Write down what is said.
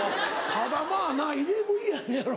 ただまぁな入れ食いやのやろ？